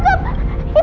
aku yang paling peduli